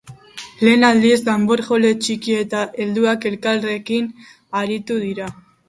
Lehen aldiz danborjole txiki eta helduak elkarrekin arituko dira.